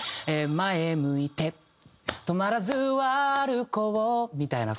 「前向いてっ止まらず歩こう」みたいな